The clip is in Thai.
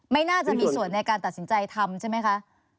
ไม่น่าจะมีส่วนในการตัดสินใจทำใช่ไหมคะ